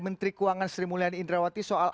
menteri keuangan sri mulyani indrawati soal